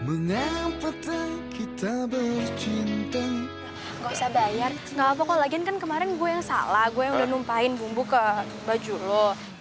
enggak usah bayar enggak apa apa lagi kan kemarin gue yang salah gue udah numpahin bumbu ke baju lu